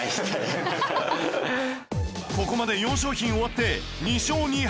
ここまで４商品終わって２勝２敗